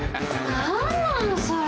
何なのそれ。